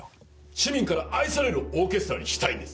市民から愛されるオーケストラにしたいんです。